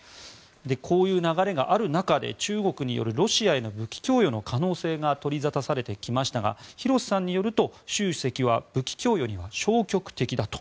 こういう流れがある中で中国によるロシアへの武器供与の可能性が取り沙汰されてきましたが廣瀬さんによると、習主席は武器供与に消極的だと。